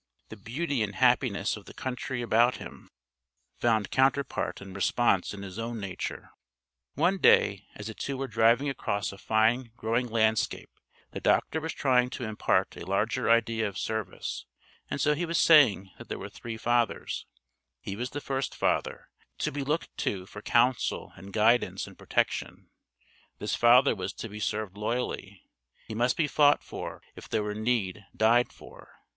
The beauty and happiness of the country about him found counterpart and response in his own nature. One day as the two were driving across a fine growing landscape the doctor was trying to impart a larger idea of service; and so he was saying that there were three fathers: he was the first father to be looked to for counsel and guidance and protection: this father was to be served loyally; he must be fought for if there were need, died for.